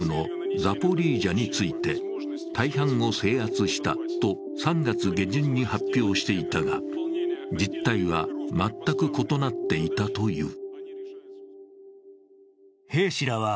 ロシア側は南東部のザポリージャについて、大半を制圧したと３月下旬に発表していたが実態は全く異なっていたという。